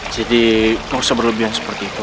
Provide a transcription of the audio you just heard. jadi nggak usah berlebihan seperti itu